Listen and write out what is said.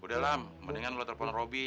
udah lam mendingan lo telepon robby